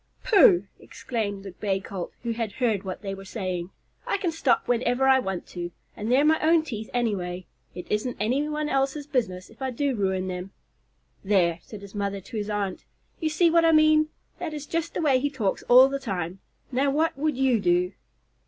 "Pooh!" exclaimed the Bay Colt, who had heard what they were saying. "I can stop whenever I want to, and they're my own teeth, anyway. It isn't anybody else's business if I do ruin them." "There!" said his mother to his aunt, "you see what I mean. That is just the way he talks all the time. Now what would you do?"